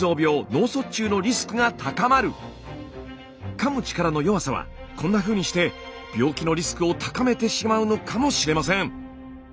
かむ力の弱さはこんなふうにして病気のリスクを高めてしまうのかもしれません。